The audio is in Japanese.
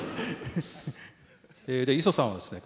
え磯さんはですね